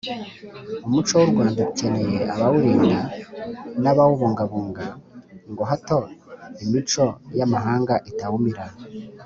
Umuco w’u Rwanda ukeneye abawurinda n’abawubungabunga ngo hato imico y’amahanga itawumira.